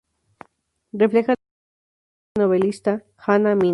Refleja la historia de la escritora y novelista Hanna Mina.